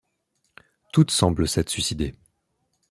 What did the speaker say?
Toutes semblent s'être suicidées.